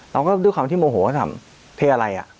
เราก็ด้วยความที่โมโหก็ถามเทอะไร